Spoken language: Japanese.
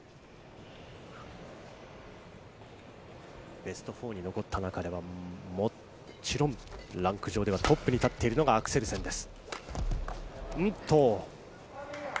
ベスト４に残った中で、もちろんランク上ではトップに立っているのがアクセルセンです。